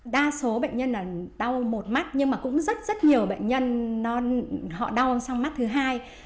đa số bệnh nhân đau một mắt nhưng cũng rất nhiều bệnh nhân đau mắt thứ hai